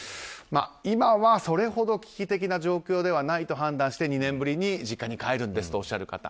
今はそれほど危機的な状況ではないと判断して、２年ぶりに実家に帰るんですとおっしゃる方。